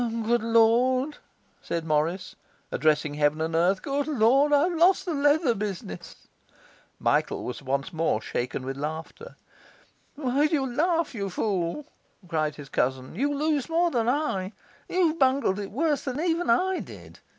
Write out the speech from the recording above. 'Good Lord,' said Morris, addressing heaven and earth, 'good Lord, I've lost the leather business!' Michael was once more shaken with laughter. 'Why do you laugh, you fool?' cried his cousin, 'you lose more than I. You've bungled it worse than even I did.